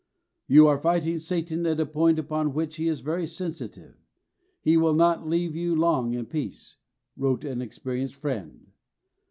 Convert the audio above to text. "You are fighting Satan at a point upon which he is very sensitive; he will not leave you long in peace," wrote an experienced friend.